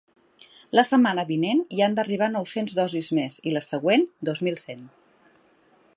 La setmana vinent hi han d’arribar nou-cents dosis més i la següent, dos mil cent.